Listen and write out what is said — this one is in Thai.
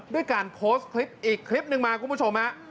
ด้วยการโพสต์คลิปอีกคลิปหนึ่งมาคุณผู้ชมฮะ